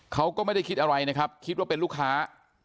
เขาก็ไม่ได้คิดอะไรนะครับคิดว่าเป็นลูกค้า